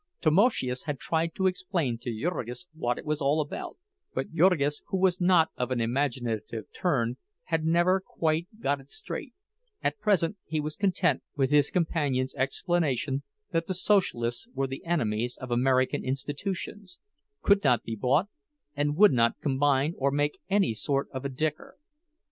Tamoszius had tried to explain to Jurgis what it was all about, but Jurgis, who was not of an imaginative turn, had never quite got it straight; at present he was content with his companion's explanation that the Socialists were the enemies of American institutions—could not be bought, and would not combine or make any sort of a "dicker."